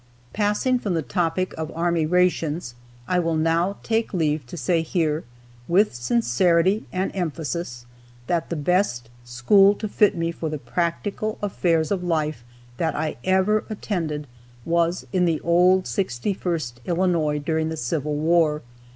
Passing from the topic of army rations, I will now take leave to say here, with sincerity and emphasis, that the best school to fit me for the practical affairs of life that I ever attended was in the old 61st Illinois during the Civil War.